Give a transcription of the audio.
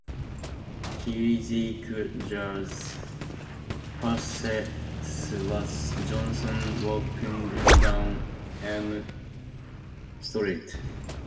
Kirzinger's first scene was Jason walking down Elm Street.